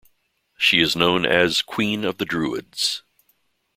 She is known as "Queen of the Druids".